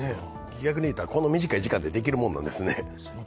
逆にいったら、こんな短い時間でできるものですね。